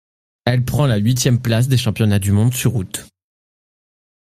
Elle prend la huitième place des championnats du monde sur route.